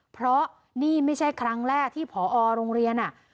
เพราะนี่ไม่ใช่ครั้งแรกที่ผอโรงเรียน